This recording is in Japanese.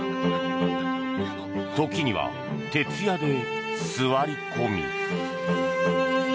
時には徹夜で座り込み。